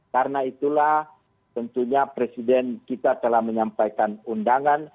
karena itulah tentunya presiden kita telah menyampaikan undangan